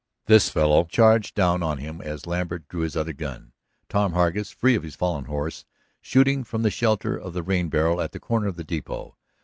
This fellow charged down on him as Lambert drew his other gun, Tom Hargus, free of his fallen horse, shooting from the shelter of the rain barrel at the corner of the depot.